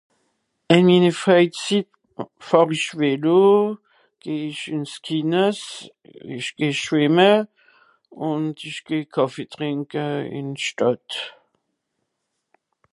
Ìn mini freizitt fàhr ich vélo geh' ich ins kinnes ich geh' schwìmme ùn ich geh' kàffé trinke in d'stàdt